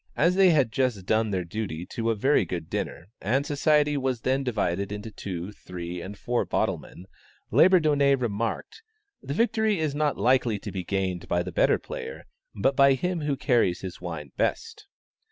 As they had just done their duty to a very good dinner, and society was then divided into two, three, and four bottle men, Labourdonnais remarked, "The victory is not likely to be gained by the better player, but by him who carries his wine best."